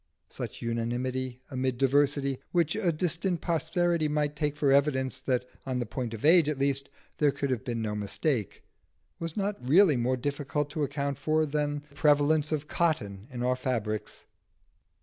Such unanimity amid diversity, which a distant posterity might take for evidence that on the point of age at least there could have been no mistake, was not really more difficult to account for than the prevalence of cotton in our fabrics.